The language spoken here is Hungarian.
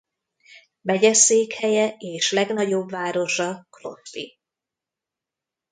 Megyeszékhelye és legnagyobb városa Crosby.